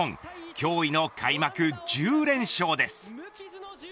驚異の開幕１０連勝です。